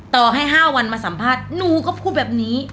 ต่อให้๕วันมาสัมภาษณ์หนูก็พูดแบบนี้